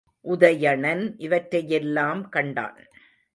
உதயணன் இவற்றையெல்லாம் கண்டான்.